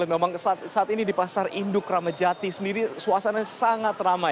memang saat ini di pasar induk ramadjati sendiri suasana sangat ramai